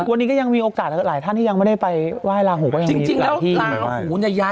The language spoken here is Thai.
วันนี้ก็ยังมีโอกาสหลายท่านยังไม่ได้ไปว่ายราหุก็ยังมี